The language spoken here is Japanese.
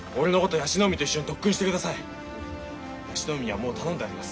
椰子の海にはもう頼んであります。